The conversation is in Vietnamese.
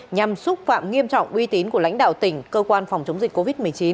nhằm xúc phạm nghiêm trọng uy tín của lãnh đạo tỉnh cơ quan phòng chống dịch covid một mươi chín